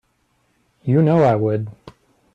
You know I would.